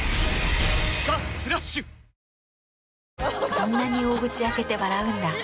そんなに大口開けて笑うんだ。